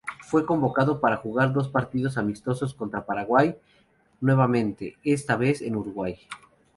Fue convocado para jugar dos partidos amistosos contra Paraguay nuevamente, esta vez en Uruguay.